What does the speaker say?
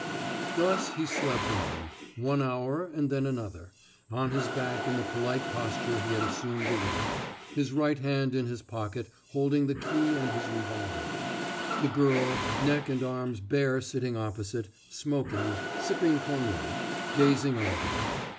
Thus he slept on one hour and then another on his back in the polite posture he had assumed awake, his right hand in his pocket holding the key and his revolver; the girl, neck and arms bare sitting opposite, smoking, sipping cognac, gazing on him.